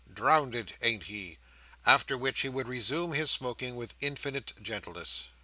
Drownded, ain't he?" after which he would resume his smoking with infinite gentleness.